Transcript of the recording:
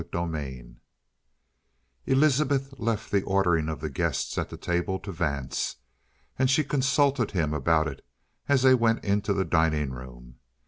CHAPTER 11 Elizabeth left the ordering of the guests at the table to Vance, and she consulted him about it as they went into the dining room.